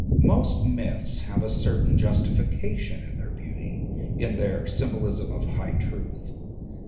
Most myths have a certain justification in their beauty, in their symbolism of high truth.